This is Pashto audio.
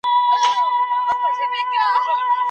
څه وخت دولتي شرکتونه دفتري توکي هیواد ته راوړي؟